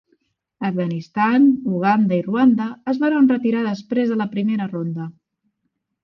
Afganistan, Uganda, i Ruanda es varen retirar després de la primera ronda.